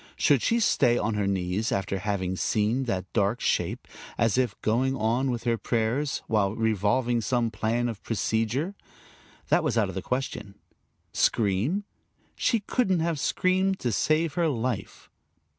Should she stay on her knees after having seen that dark shape, as if going on with her prayers, while revolving some plan of procedure? That was out of the question. Scream? She couldn't have screamed to save her life.